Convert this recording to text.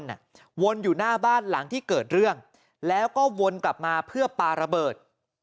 วนอยู่หน้าบ้านหลังที่เกิดเรื่องแล้วก็วนกลับมาเพื่อปาระเบิด